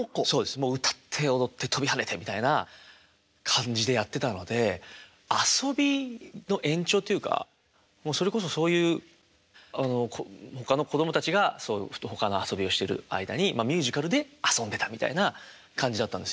もう歌って踊って跳びはねてみたいな感じでやってたので遊びの延長というかそれこそそういうほかの子供たちがほかの遊びをしてる間にミュージカルで遊んでたみたいな感じだったんですよ。